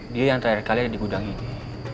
dia yang terakhir kali ada di gudang ini